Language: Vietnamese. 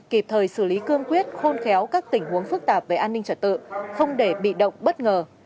kịp thời xử lý cương quyết khôn khéo các tình huống phức tạp về an ninh trật tự không để bị động bất ngờ